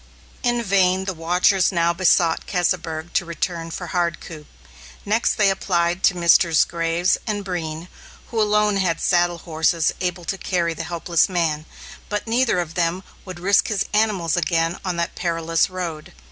In vain the watchers now besought Keseberg to return for Hardcoop. Next they applied to Messrs. Graves and Breen, who alone had saddle horses able to carry the helpless man, but neither of them would risk his animals again on that perilous road.